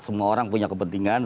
semua orang punya kepentingan